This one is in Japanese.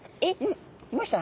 いました？